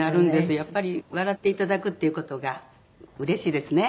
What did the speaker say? やっぱり笑っていただくっていう事がうれしいですね。